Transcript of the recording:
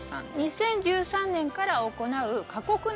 ２０１３年から行う。